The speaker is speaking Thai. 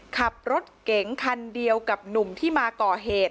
ขับรถเก๋งคันเดียวกับหนุ่มที่มาก่อเหตุ